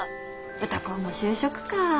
歌子も就職かあ。